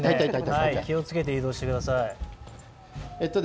気をつけて移動してください。